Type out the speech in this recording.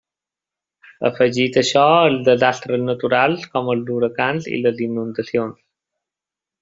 Afegit a això els desastres naturals com els huracans i les inundacions.